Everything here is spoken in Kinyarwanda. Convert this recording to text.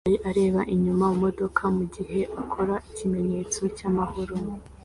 Umuhungu yicaye areba inyuma mumodoka mugihe akora ikimenyetso cyamahoro